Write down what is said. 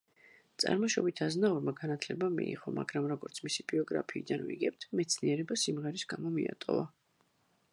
წარმოშობით აზნაურმა განათლება მიიღო, მაგრამ, როგორც მისი „ბიოგრაფიიდან“ ვიგებთ, „მეცნიერება სიმღერის გამო მიატოვა“.